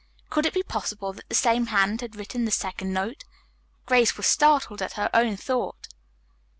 Could it be possible that the same hand had written the second note? Grace was startled at her own thought.